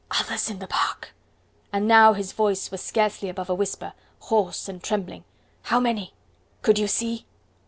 "Others in the park!" And now his voice was scarcely above a whisper, hoarse and trembling. "How many? Could you see?"